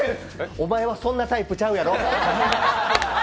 お前はそんなタイプちゃうやろ。